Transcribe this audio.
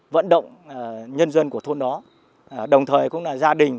vận động nhân dân của thôn đó đồng thời cũng là gia đình